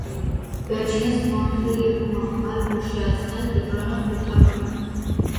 Վերջինս մաքրել և աղալ (փոշիացնել), կիտրոնը հյութքամել։